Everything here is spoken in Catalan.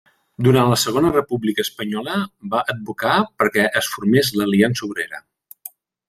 Durant la Segona República Espanyola va advocar perquè es formés l'Aliança Obrera.